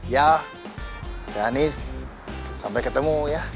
ya tehanis sampai ketemu ya